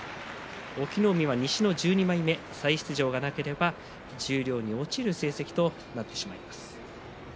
隠岐の海が西の１２枚目再出場がなければ十両に落ちる成績となってしまいます。